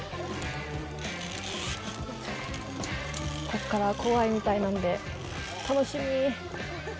ここから怖いみたいなんで、楽しみ。